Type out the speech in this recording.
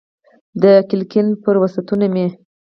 د کړکۍ پر وسعتونو مې